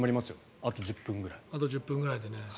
あと１０分ぐらいでね。